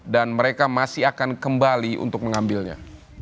dan mereka masih akan kembali untuk mengambilnya